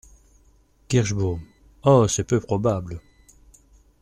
Kirschbaum. — Oh ! c’est peu probable.